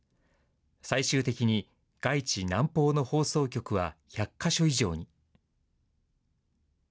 最終的に外地・南方の放送局は１００か所以上に。